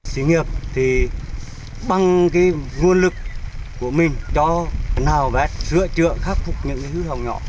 sĩ nghiệp thì bằng cái nguồn lực của mình cho nào vẽ sửa trựa khắc phục những cái hư hỏng nhỏ